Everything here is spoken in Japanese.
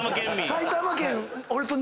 埼玉県民。